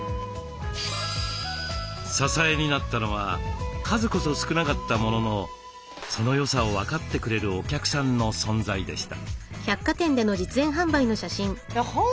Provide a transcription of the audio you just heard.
支えになったのは数こそ少なかったもののそのよさを分かってくれるお客さんの存在でした。